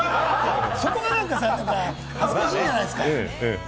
そこがなんかさ、恥ずかしいじゃないですか。